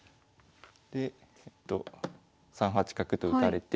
で３八角と打たれて。